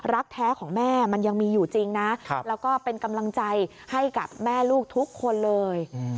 รักแท้ของแม่มันยังมีอยู่จริงนะแล้วก็เป็นกำลังใจให้กับแม่ลูกทุกคนเลย